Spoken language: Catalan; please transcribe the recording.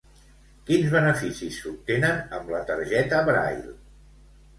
Quins beneficis s'obtenen amb la targeta Braille?